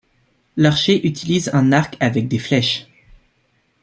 L'archer utilise un arc avec des flèches.